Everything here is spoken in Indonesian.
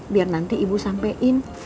biar nanti ibu sampaikan